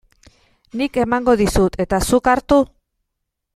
Nik emango dizut eta zuk hartu?